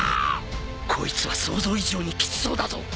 「こいつは想像以上にきつそうだぞ」